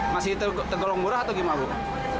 empat ratus tujuh puluh masih tergolong murah atau gimana